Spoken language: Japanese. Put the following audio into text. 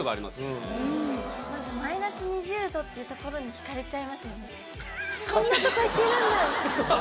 まずマイナス２０度っていうところにひかれちゃいますよね。